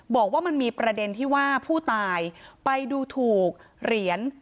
บอกว่ามันมีประเด็นที่ว่าผู้ตายไปดูถูกเหรียญ